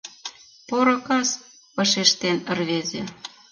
— Поро кас, — вашештен рвезе.